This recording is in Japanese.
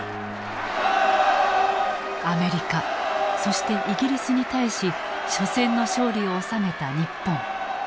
アメリカそしてイギリスに対し緒戦の勝利を収めた日本。